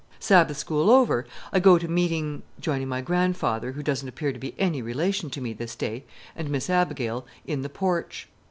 Sabbath school over, I go to meeting, joining my grandfather, who doesn't appear to be any relation to me this day, and Miss Abigail, in the porch.